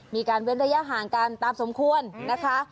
เว้นระยะห่างกันตามสมควรนะคะ